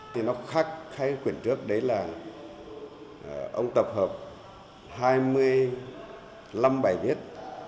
thì nó khác khai quyển trước đấy là ông tập hợp hai mươi năm bài viết